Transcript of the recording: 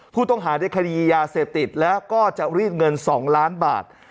ผู้ต้องหาในคดียาเสพติดแล้วก็จะรีดเงิน๒ล้านบาท